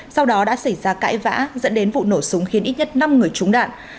sau đó đã xảy ra cãi vã dẫn đến vụ nổ súng khiến ít nhất năm người trúng đạn